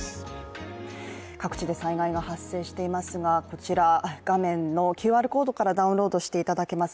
各地で災害が発生していますが画面のＱＲコードからダウンロードしていただけます